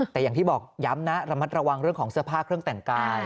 แต่อย่างที่บอกย้ำนะระมัดระวังเรื่องของเสื้อผ้าเครื่องแต่งกาย